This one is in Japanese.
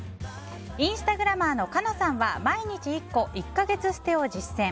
インスタグラマーのかなさんは毎日１個１か月捨てを実践。